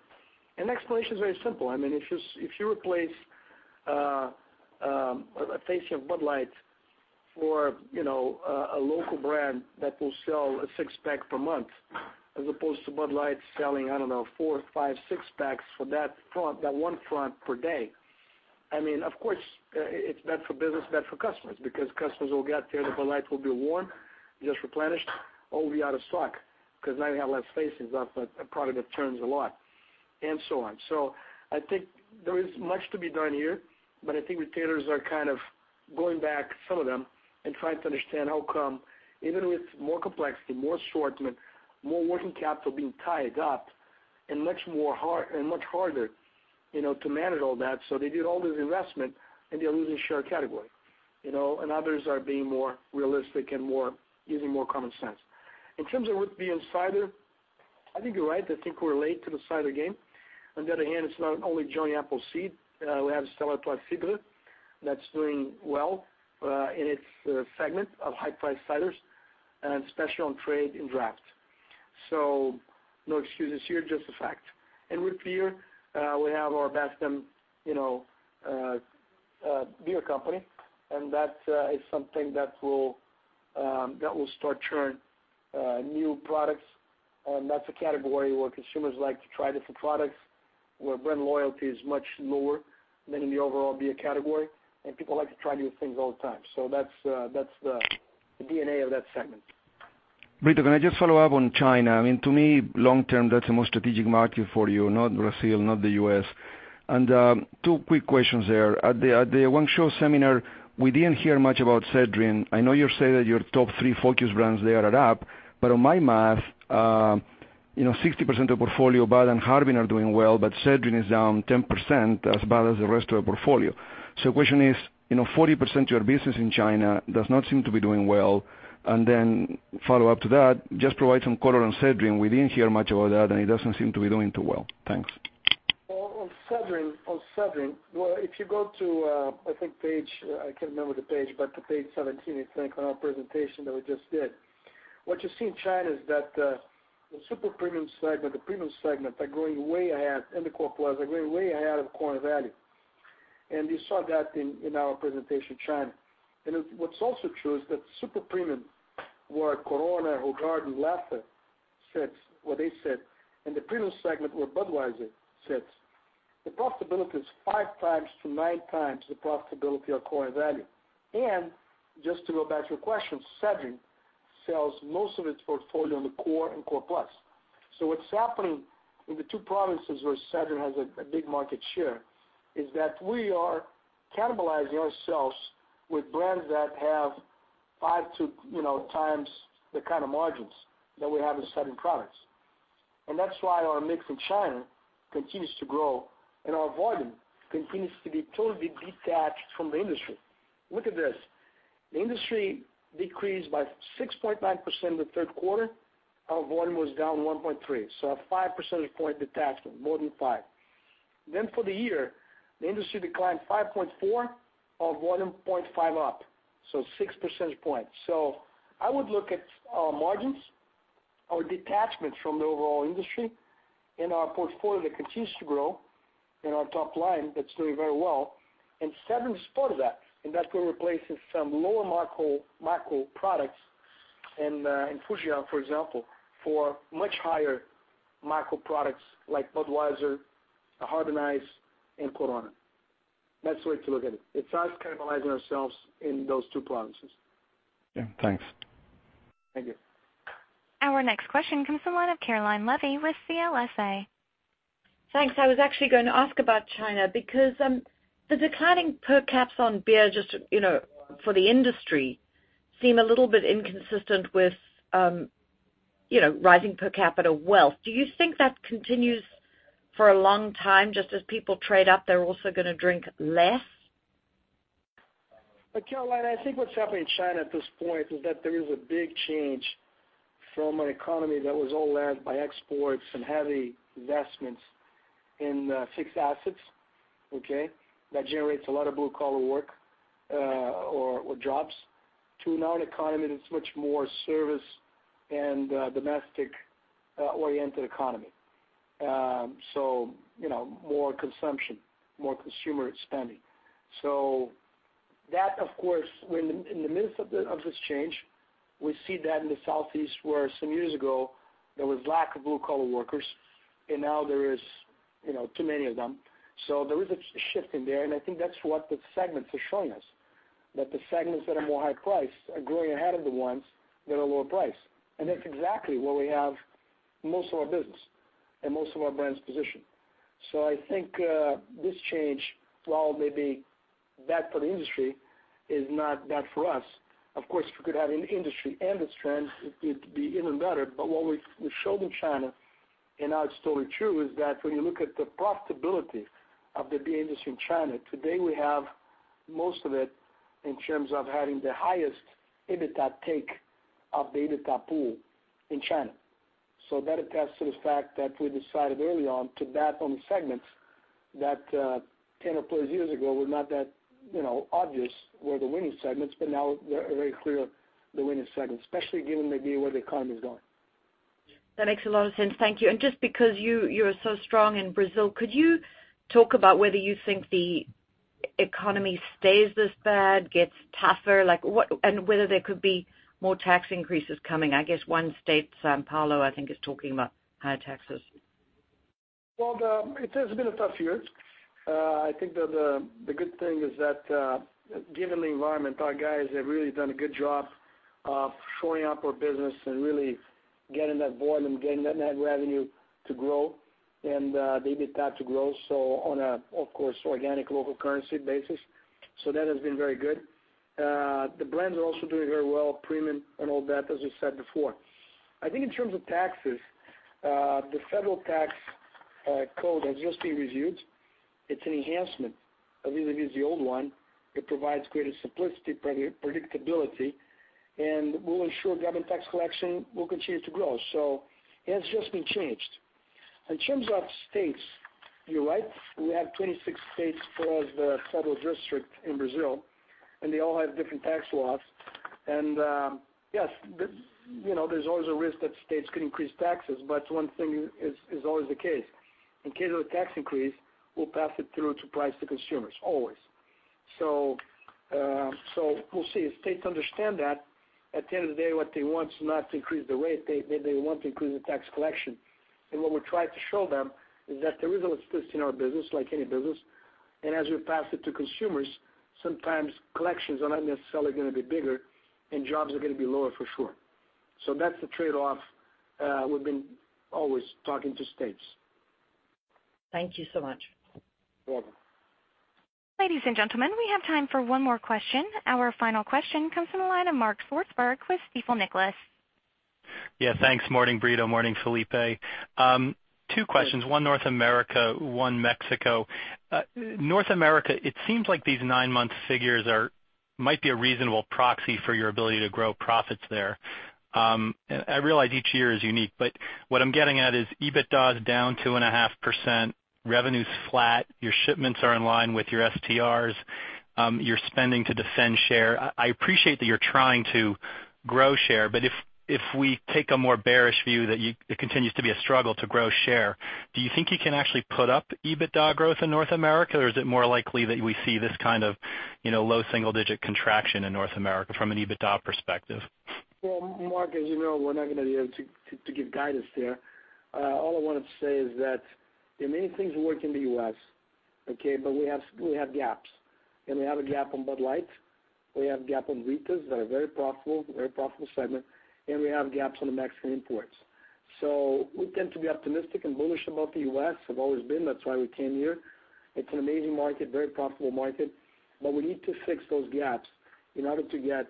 The explanation is very simple. If you replace a case of Bud Light for a local brand that will sell a six-pack per month as opposed to Bud Light selling, I don't know, four, five six-packs for that one front per day, of course, it's bad for business, bad for customers, because customers will get there, the Bud Light will be warm, just replenished, or will be out of stock, because now you have less space because that's a product that turns a lot, and so on. I think there is much to be done here, but I think retailers are kind of going back, some of them, and trying to understand how come, even with more complexity, more assortment, more working capital being tied up, and much harder to manage all that. They did all this investment and they're losing share category. Others are being more realistic and using more common sense. In terms of root beer and cider, I think you're right. I think we're late to the cider game. On the other hand, it's not only Johnny Appleseed. We have Stella Artois Cidre that's doing well in its segment of high-priced ciders, and especially on trade in draft. No excuses here, just a fact. Root beer, we have our Best Damn Brewing Co., and that is something that will start churning new products. That's a category where consumers like to try different products, where brand loyalty is much lower than in the overall beer category, and people like to try new things all the time. That's the DNA of that segment. Brito, can I just follow up on China? To me, long term, that's the most strategic market for you, not Brazil, not the U.S. Two quick questions there. At the Guangzhou seminar, we didn't hear much about Sedrin. I know you say that your top three focus brands there are up. On my math, 60% of the portfolio, Bud and Harbin are doing well, but Sedrin is down 10%, as bad as the rest of the portfolio. The question is, 40% of your business in China does not seem to be doing well. Follow up to that, just provide some color on Sedrin. We didn't hear much about that, and it doesn't seem to be doing too well. Thanks. On Sedrin, if you go to, I think page 17, I think, on our presentation that we just did. What you see in China is that the super premium segment, the premium segment are growing way ahead, and the core plus are growing way ahead of core and value. You saw that in our presentation, China. What's also true is that super premium, where Corona, Hoegaarden, Leffe sits where they sit, and the premium segment where Budweiser sits, the profitability is five times to nine times the profitability of core and value. Just to go back to your question, Sedrin sells most of its portfolio in the core and core plus. What's happening in the two provinces where Sedrin has a big market share is that we are cannibalizing ourselves with brands that have five to times the kind of margins that we have in the Sedrin products. That's why our mix in China continues to grow and our volume continues to be totally detached from the industry. Look at this. The industry decreased by 6.9% in the third quarter. Our volume was down 1.3%, so a 5 percentage point detachment, more than five. For the year, the industry declined 5.4%, our volume 0.5% up, so 6 percentage points. I would look at our margins, our detachment from the overall industry, and our portfolio that continues to grow, and our top line that's doing very well. Sedrin is part of that. That's where we're replacing some lower macro products in Fujian, for example, for much higher macro products like Budweiser, Harbin Ice, and Corona. That's the way to look at it. It's us cannibalizing ourselves in those two provinces. Yeah. Thanks. Thank you. Our next question comes from the line of Caroline Levy with CLSA. Thanks. I was actually going to ask about China because the declining per caps on beer just for the industry seem a little bit inconsistent with rising per capita wealth. Do you think that continues for a long time? Just as people trade up, they're also going to drink less? Caroline, I think what's happening in China at this point is that there is a big change from an economy that was all led by exports and heavy investments in fixed assets, okay, that generates a lot of blue-collar work or jobs, to now an economy that's much more service and domestic-oriented economy. More consumption, more consumer spending. That, of course, we're in the midst of this change. We see that in the southeast, where some years ago there was lack of blue-collar workers, and now there is too many of them. There is a shift in there, and I think that's what the segments are showing us, that the segments that are more high price are growing ahead of the ones that are lower price. That's exactly where we have most of our business and most of our brands positioned. I think this change, while maybe bad for the industry, is not bad for us. Of course, if we could have an industry and this trend, it'd be even better. What we showed in China, and now it's totally true, is that when you look at the profitability of the beer industry in China today, we have most of it in terms of having the highest EBITDA take of the EBITDA pool in China. That attests to the fact that we decided early on to bat on the segments that 10 or plus years ago were not that obvious were the winning segments, but now they're very clear the winning segments, especially given the view of where the economy is going. That makes a lot of sense. Thank you. Just because you are so strong in Brazil, could you talk about whether you think the economy stays this bad, gets tougher, and whether there could be more tax increases coming? I guess one state, São Paulo, I think, is talking about higher taxes. Well, it has been a tough year. I think that the good thing is that, given the environment, our guys have really done a good job of shoring up our business and really getting that volume, getting that net revenue to grow and the EBITDA to grow, on a, of course, organic local currency basis. That has been very good. The brands are also doing very well, premium and all that, as we said before. I think in terms of taxes, the federal tax code has just been reviewed. It's an enhancement of what was the old one. It provides greater simplicity, predictability, and will ensure government tax collection will continue to grow. It has just been changed. In terms of states, you're right, we have 26 states plus the federal district in Brazil, and they all have different tax laws. Yes, there's always a risk that states could increase taxes, but one thing is always the case. In case of a tax increase, we'll pass it through to price to consumers, always. We'll see. States understand that. At the end of the day, what they want is not to increase the rate. They want to increase the tax collection. What we try to show them is that there is elasticity in our business, like any business, and as we pass it to consumers, sometimes collections are not necessarily going to be bigger and jobs are going to be lower, for sure. That's the trade-off we've been always talking to states. Thank you so much. You're welcome. Ladies and gentlemen, we have time for one more question. Our final question comes from the line of Mark Swartzberg with Stifel Nicolaus. Yeah, thanks. Morning, Brito. Morning, Felipe. Two questions, one North America, one Mexico. North America, it seems like these nine-month figures might be a reasonable proxy for your ability to grow profits there. I realize each year is unique, but what I'm getting at is EBITDA is down 2.5%, revenue's flat, your shipments are in line with your STRs. You're spending to defend share. I appreciate that you're trying to grow share, but if we take a more bearish view that it continues to be a struggle to grow share, do you think you can actually put up EBITDA growth in North America, or is it more likely that we see this kind of low double-digit contraction in North America from an EBITDA perspective? Well, Mark, as you know, we're not going to be able to give guidance there. All I want to say is that there are many things working in the U.S., okay, but we have gaps. We have a gap on Bud Light, we have gap on Ritas that are very profitable, very profitable segment, and we have gaps on the Mexican imports. We tend to be optimistic and bullish about the U.S., have always been. That's why we came here. It's an amazing market, very profitable market, but we need to fix those gaps in order to get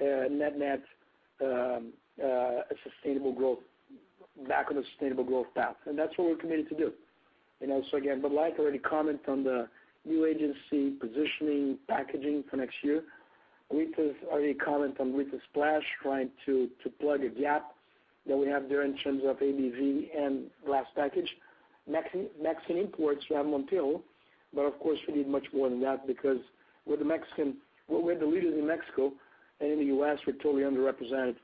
net-net a sustainable growth, back on a sustainable growth path. That's what we're committed to do. Also, again, Bud Light, I already comment on the new agency positioning, packaging for next year. Ritas, I already comment on Rita Splash, trying to plug a gap that we have there in terms of ABV and glass package. Mexican imports, we have Modelo, but of course, we need much more than that because we're the leaders in Mexico and in the U.S., we're totally underrepresented,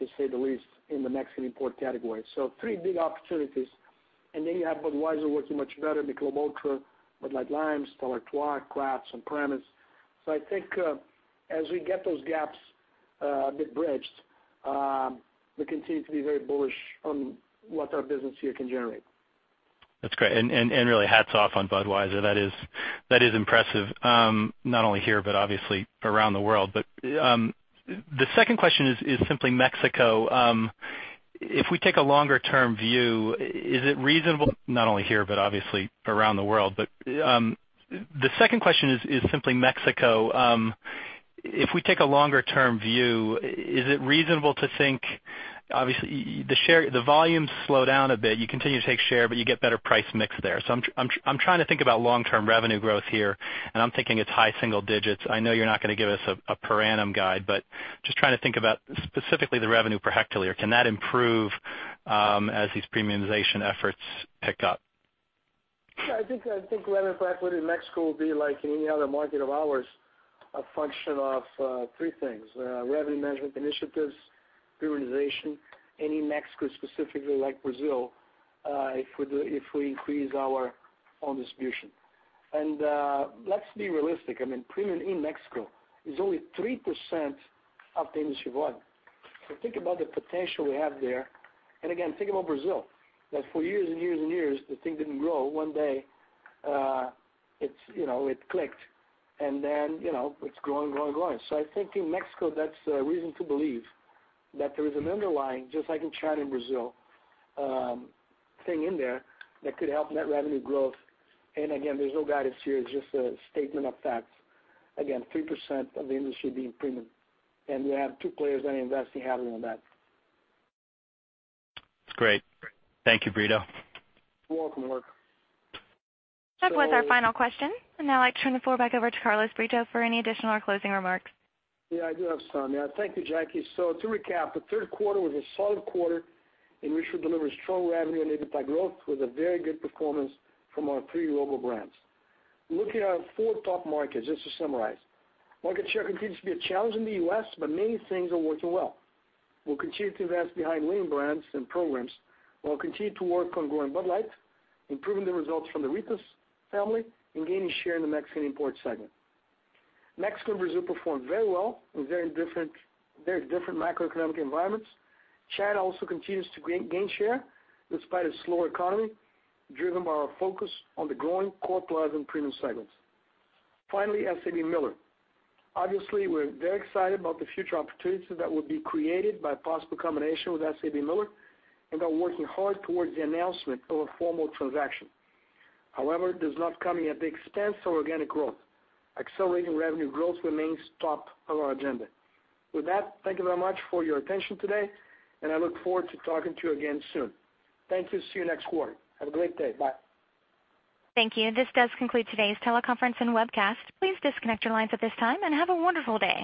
to say the least, in the Mexican import category. Three big opportunities. Then you have Budweiser working much better, Michelob ULTRA, Bud Light Lime, Stella Artois, craft, on-premise. I think as we get those gaps a bit bridged, we continue to be very bullish on what our business here can generate. That's great. Really, hats off on Budweiser. That is impressive, not only here, but obviously around the world. The second question is simply Mexico. If we take a longer-term view, is it reasonable to think Obviously, the volumes slow down a bit. You continue to take share, but you get better price mix there. I'm trying to think about long-term revenue growth here, and I'm thinking it's high single digits. I know you're not going to give us a per annum guide, but just trying to think about specifically the revenue per hectare. Can that improve as these premiumization efforts pick up? I think revenue per hectare in Mexico will be like any other market of ours, a function of three things, revenue management initiatives, premiumization, and in Mexico specifically like Brazil, if we increase our own distribution. Let's be realistic. Premium in Mexico is only 3% of the industry volume. Think about the potential we have there, and again, think about Brazil, that for years and years and years, the thing didn't grow. One day it clicked and then it's growing. I think in Mexico, that's a reason to believe that there is an underlying, just like in China and Brazil, thing in there that could help net revenue growth. Again, there's no guidance here. It's just a statement of facts. Again, 3% of the industry being premium. You have two players that invest heavily in that. That's great. Thank you, Brito. You're welcome, Mark. That was our final question. I'd now like to turn the floor back over to Carlos Brito for any additional or closing remarks. Yeah, I do have some. Thank you, Jackie. To recap, the third quarter was a solid quarter in which we delivered strong revenue and EBITDA growth with a very good performance from our three global brands. Looking at our four top markets, just to summarize, market share continues to be a challenge in the U.S., but many things are working well. We'll continue to invest behind winning brands and programs. We'll continue to work on growing Bud Light, improving the results from the Ritas family, and gaining share in the Mexican import segment. Mexico and Brazil performed very well in very different macroeconomic environments. China also continues to gain share despite a slower economy, driven by our focus on the growing core plus and premium segments. Finally, SABMiller. Obviously, we're very excited about the future opportunities that would be created by a possible combination with SABMiller and are working hard towards the announcement of a formal transaction. However, it is not coming at the expense of organic growth. Accelerating revenue growth remains top of our agenda. With that, thank you very much for your attention today, and I look forward to talking to you again soon. Thank you. See you next quarter. Have a great day. Bye. Thank you. This does conclude today's teleconference and webcast. Please disconnect your lines at this time and have a wonderful day.